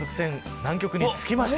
南極に着きました。